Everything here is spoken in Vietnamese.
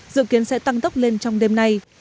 dự kiến sẽ tăng tốc lên trong đêm nay